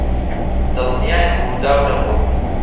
دڵنیاین ڕووداو نەبووە.